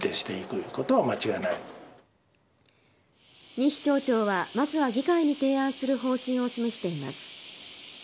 西町長はまずは議会に提案する方針を示しています。